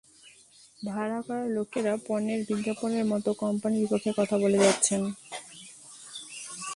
ভাড়া করা লোকেরা পণ্যের বিজ্ঞাপনের মতো কোম্পানির পক্ষে কথা বলে যাচ্ছেন।